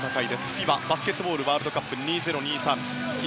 ＦＩＢＡバスケットボールワールドカップ２０２３１